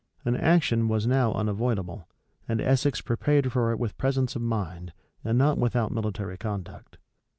An action was now unavoidable; and Essex prepared for it with presence of mind, and not without military conduct.